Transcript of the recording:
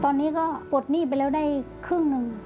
ตอนนี้ก็ปลดหนี้ไปแล้วได้ครึ่งหนึ่ง